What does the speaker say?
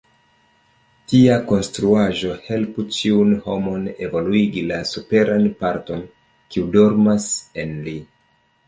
Tia konstruaĵo helpu ĉiun homon evoluigi la superan parton, kiu dormas en li.